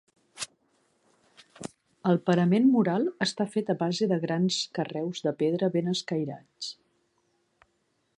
El parament mural està fet a base de grans carreus de pedra ben escairats.